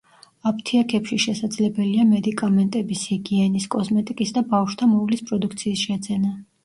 აფთიაქებში შესაძლებელია მედიკამენტების, ჰიგიენის, კოსმეტიკის და ბავშვთა მოვლის პროდუქციის შეძენა.